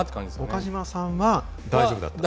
岡島さんは大丈夫だったんですか？